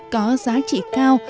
có giá trị cao